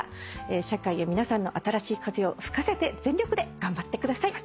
社会へ皆さんの新しい風を吹かせて全力で頑張ってください！